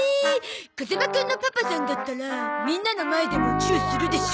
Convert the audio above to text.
風間くんのパパさんだったらみんなの前でもチューするでしょ？